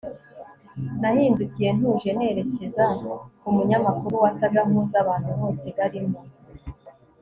nahindukiye ntuje nerekeza ku munyamakuru wasaga nkuzi abantu bose barimo